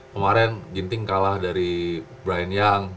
pemarin ginting kalah dari brian young